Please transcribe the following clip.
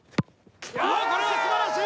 これは素晴らしい！